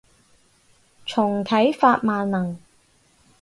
重啟法萬能